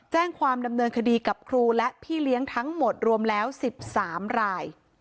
แจ้งความดำเนินคดีกับครูและพี่เลี้ยงทั้งหมดรวมแล้ว๑๓ราย